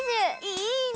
いいね！